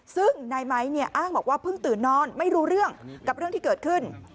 ซึ่งนายไม้เนี่ยอ้างบอกว่าเพิ่งตื่นนอนไม่รู้เรื่องกับเรื่องที่เกิดขึ้น